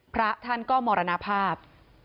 พระท่านก็มรณภาพ